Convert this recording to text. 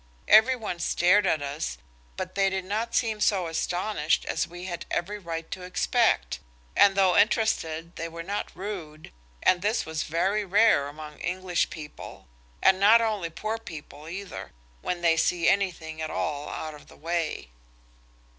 Every one stared at us, but they did not seem so astonished as we had every right to expect, and though interested they were not rude, and this is very rare among English people–and not only poor people either–when they see anything at all out of the way.